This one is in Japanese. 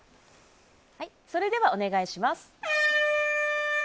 それではお願いします。